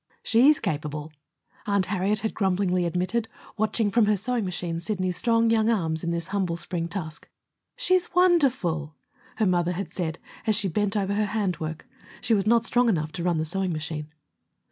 "She's capable," Aunt Harriet had grumblingly admitted, watching from her sewing machine Sidney's strong young arms at this humble spring task. "She's wonderful!" her mother had said, as she bent over her hand work. She was not strong enough to run the sewing machine.